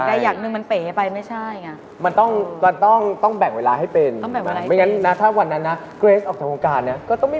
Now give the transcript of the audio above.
ตามหนักภัฐในช่วงหนาเชพร่างนี้พักกับคู่ค่ะ